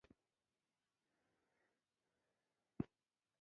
د دوي نيکۀ حکيم خان، څوک چې د شاهپور کلي